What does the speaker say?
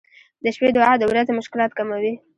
• د شپې دعا د ورځې مشکلات کموي.